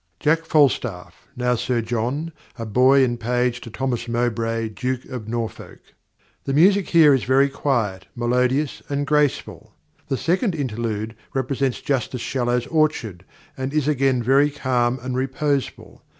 "Jack Falstaff, now Sir John, a boy and page to Thomas Mowbray, Duke of Norfolk." The music here is very quiet, melodious, and graceful. The second interlude represents Justice Shallow's orchard, and is again very calm and reposeful.